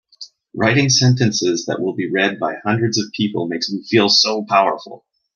Writing sentences that will be read by hundreds of people makes me feel so powerful!